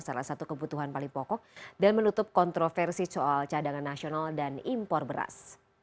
salah satu kebutuhan paling pokok dan menutup kontroversi soal cadangan nasional dan impor beras